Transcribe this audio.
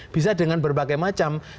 bisa dengan berbagai macam